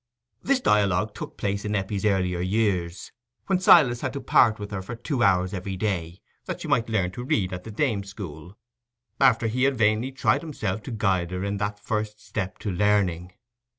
This dialogue took place in Eppie's earlier years, when Silas had to part with her for two hours every day, that she might learn to read at the dame school, after he had vainly tried himself to guide her in that first step to learning.